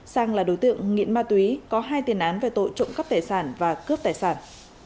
sang là đối tượng nghiện ma túy có hai tiền án về tội trộm cắp tài sản và cướp tài sản